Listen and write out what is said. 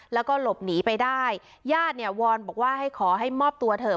แล้วก็หลบหนีไปได้ญาติเนี่ยวอนบอกว่าให้ขอให้มอบตัวเถอะ